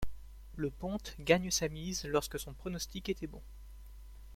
Le ponte gagne sa mise lorsque son pronostic était bon.